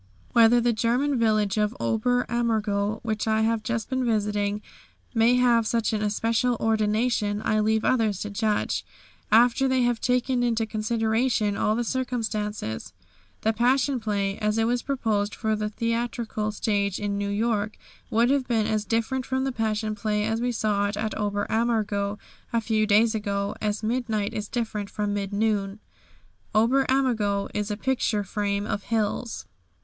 Whether the German village of Ober Ammergau which I have just been visiting, may have such an especial ordination, I leave others to judge after they have taken into consideration all the circumstances. The Passion Play, as it was proposed for the theatrical stage in New York, would have been as different from the Passion Play as we saw it at Ober Ammergau a few days ago as midnight is different from mid noon. Ober Ammergau is a picture frame of hills.